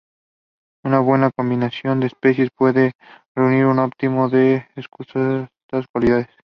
Una buena combinación de especies puede reunir un óptimo de estas cualidades.